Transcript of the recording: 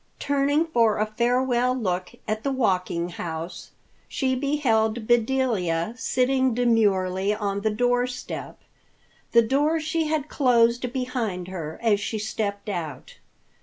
Turning for a farewell look at the Walking House, she beheld Bedelia sitting demurely on the doorstep. The door she had closed behind her as she stepped out.